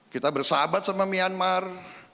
kita bersahabat sama myanmar